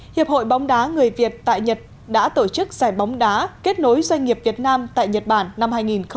hiệp hội bóng đá người việt tại nhật đã tổ chức giải bóng đá kết nối doanh nghiệp việt nam tại nhật bản năm hai nghìn một mươi chín